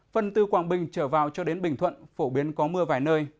phần từ quảng bình trở vào cho đến bình thuận phổ biến có mưa vài nơi